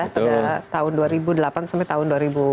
pada tahun dua ribu delapan sampai tahun dua ribu